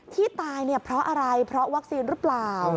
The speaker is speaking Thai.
ที่ตายเนี่ยเพราะอะไรเพราะวัคซีนหรือเปล่า